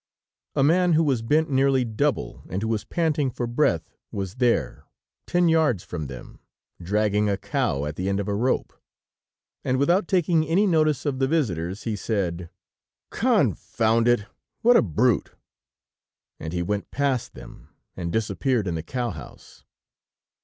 A man who was bent nearly double and who was panting for breath, was there, ten yards from them, dragging a cow at the end of a rope; and without taking any notice of the visitors, he said: "Confound it! What a brute!" And he went past them, and disappeared in the cow house.